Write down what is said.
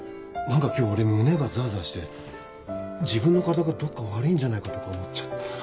何か今日俺胸がざわざわして自分の体がどっか悪いんじゃないかとか思っちゃってさ。